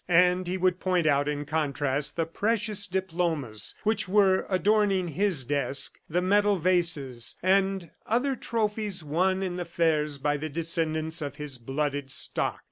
And he would point out, in contrast, the precious diplomas which were adorning his desk, the metal vases and other trophies won in the fairs by the descendants of his blooded stock.